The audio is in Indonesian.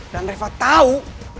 dan reva tau